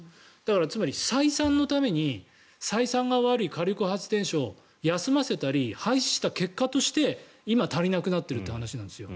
つまり、採算のために採算が悪い火力発電所を休ませたり廃止させた結果として今、足りなくなっているという話なんですよ。